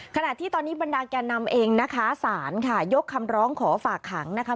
ขณะที่ตอนนี้บรรดาแก่นำเองนะคะสารค่ะยกคำร้องขอฝากขังนะคะ